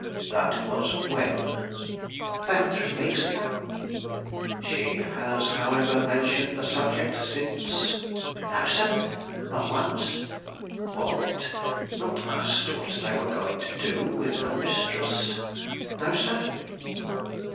"That was when?" "About three weeks ago." "She has, however, mentioned the subject since?" "No, sir; not once." "What! not asked what they were going to do with her mistress?" "No, sir."